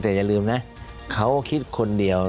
แต่อย่าลืมนะเขาคิดคนเดียว